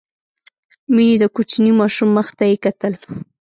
مينې د کوچني ماشوم مخ ته يې کتل.